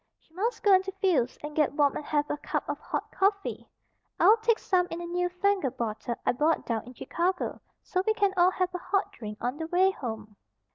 "She must go into Phil's and get warm and have a cup of hot coffee. I'll take some in a new fangled bottle I bought down in Chicago, so we can all have a hot drink on the way home."